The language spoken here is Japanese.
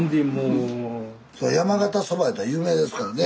山形そばいうたら有名ですからね。